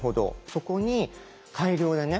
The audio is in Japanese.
そこに改良でね